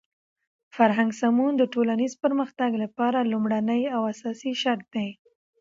فرهنګي سمون د ټولنیز پرمختګ لپاره لومړنی او اساسی شرط دی.